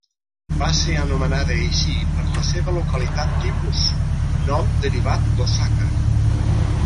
Va ser anomenada així per la seva localitat tipus; nom derivat d'Osaka.